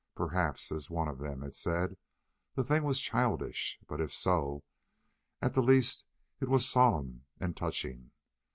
Perhaps, as one of them had said, the thing was childish, but if so, at the least it was solemn and touching.